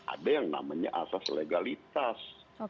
ada yang namanya asas legalitas